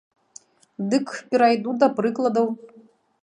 Дык перайду да прыкладаў!